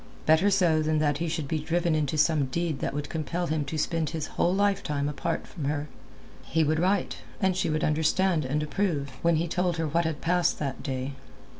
Better so than that he should be driven into some deed that would compel him to spend his whole lifetime apart from her. He would write, and she would understand and approve when he told her what had passed that day.